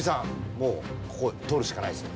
もうここは取るしかないですね。